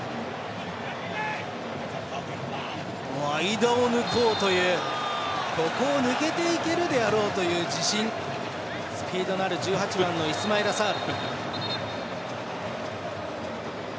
間を抜けていこうというここを抜けていけるだろうという自信、１８番のイスマイラ・サール。